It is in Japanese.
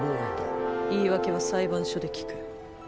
言い訳は裁判所で聞く。